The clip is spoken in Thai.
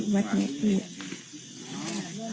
วัดเยี่ยม